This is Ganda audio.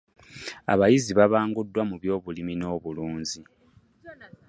Abayizi babanguddwa mu by'obulimi n'obulunzi